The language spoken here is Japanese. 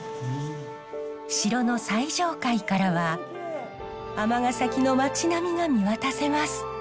城の最上階からは尼崎の町並みが見渡せます。